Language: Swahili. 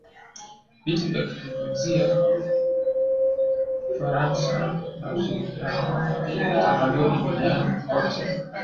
viti vya kujifunzia kifaransa na ushirikiano wa kitamaduni duniani kote